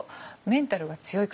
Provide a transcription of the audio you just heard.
メンタルが強い。